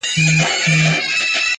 د وصل شپې مي د هر خوب سره پیوند وهلي-